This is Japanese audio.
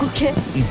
うん。